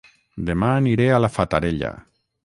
Dema aniré a La Fatarella